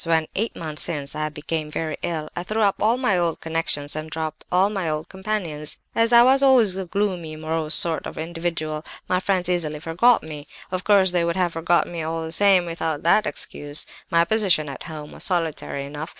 When, eight months since, I became very ill, I threw up all my old connections and dropped all my old companions. As I was always a gloomy, morose sort of individual, my friends easily forgot me; of course, they would have forgotten me all the same, without that excuse. My position at home was solitary enough.